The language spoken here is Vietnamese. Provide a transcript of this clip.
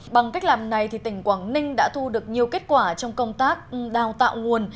bằng cách làm này tỉnh quảng ninh đã thu được nhiều kết quả trong công tác đào tạo nguồn